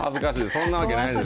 そんなわけないです。